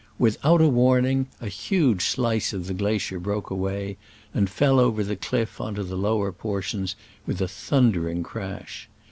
With out a warning, a huge slice of the gla cier broke away and fell over the cliff on to the lower portion with a thunder ing crash.